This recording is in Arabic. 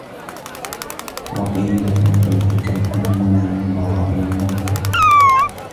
وَقِيلَ فِي مَنْثُورِ الْحِكَمِ الْمُنَى مِنْ بَضَائِعِ النَّوْكَى